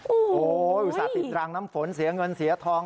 โอ้โหอุตส่าห์ติดรางน้ำฝนเสียเงินเสียทอง